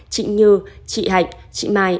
chị như chị hạnh chị mai